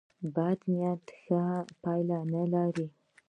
بد نیت ښه پایله نه لري.